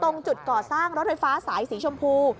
ตรงจุดก่อสร้างรถไฟฟ้าสายสีชมพู